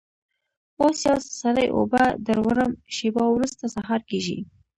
اوس یو څه سړې اوبه در وړم، شېبه وروسته سهار کېږي.